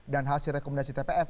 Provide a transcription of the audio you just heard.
dan hasil rekomendasi tpf